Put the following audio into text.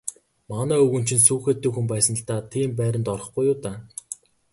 Манай өвгөн чинь сүүхээтэй хүн байсандаа л тийм байранд орохгүй юу даа.